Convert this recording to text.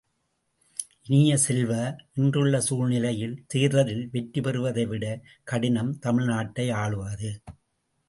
இனிய செல்வ, இன்றுள்ள சூழ்நிலையில் தேர்தலில் வெற்றி பெறுவதைவிடக் கடினம், தமிழ் நாட்டை ஆளுவது!